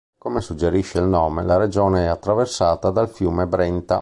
Come suggerisce il nome, la regione è attraversata dal fiume Brenta.